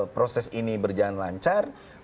proses ini berjalan lancar